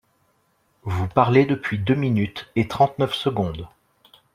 Vous parlez depuis deux minutes et trente-neuf secondes.